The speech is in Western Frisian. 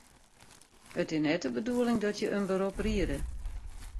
It is net de bedoeling dat je in berop riede.